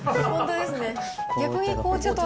本当ですね。